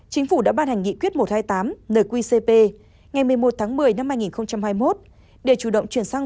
chính phủ đã ban hành nghị quyết một trăm hai mươi tám nqcp ngày một mươi một tháng một mươi năm hai nghìn hai mươi một để chủ động chuyển sang